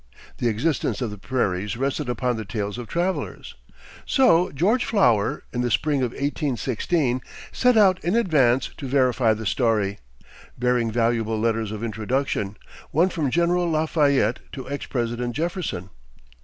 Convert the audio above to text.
The existence of the prairies rested upon the tales of travelers. So George Flower, in the spring of 1816, set out in advance to verify the story, bearing valuable letters of introduction, one from General La Fayette to ex President Jefferson.